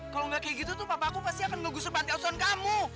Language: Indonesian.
kalo gak kayak gitu tuh papa aku pasti akan ngegusur panti asuhan kamu